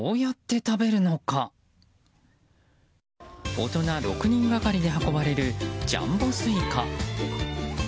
大人６人がかりで運ばれるジャンボスイカ。